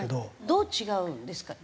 どう違うんですか？